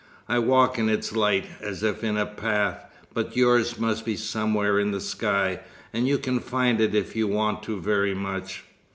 I walk in its light, as if in a path. But yours must be somewhere in the sky, and you can find it if you want to very much."